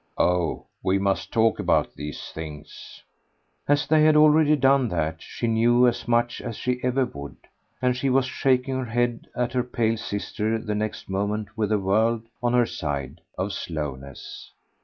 "Oh we must talk about these things!" Ah they had already done that, she knew, as much as she ever would; and she was shaking her head at her pale sister the next moment with a world, on her side, of slowness.